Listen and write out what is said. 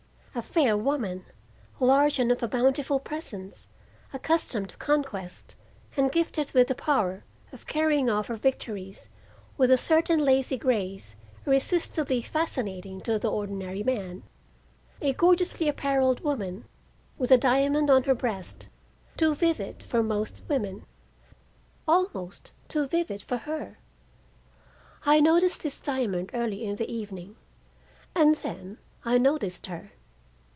A fair woman, large and of a bountiful presence, accustomed to conquest, and gifted with the power of carrying off her victories with a certain lazy grace irresistibly fascinating to the ordinary man; a gorgeously appareled woman, with a diamond on her breast too vivid for most women, almost too vivid for her. I noticed this diamond early in the evening, and then I noticed her.